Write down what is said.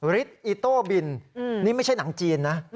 ฤทธิ์อิโต้บินนี่ไม่ใช่หนังจีนนะ